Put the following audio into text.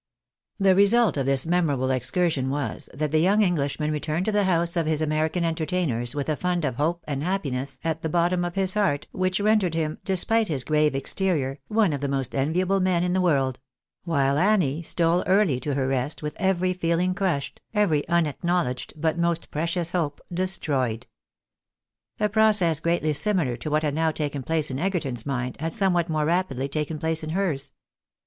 The result of this memorable excursion was, that the young Englishman returned to the house of his American entertainers ■with a fund of hope and happiness at the bottom of his heart which rendered him, despite his grave exterior, one of the most enviable men in the world ; while Annie stole early to her rest with every feeling crushed, every unacknowledged, but most precious hope destroyed. A process greatly similar to what had now taken place in Egerton's mind, had somewhat more rapidly taken place in hers.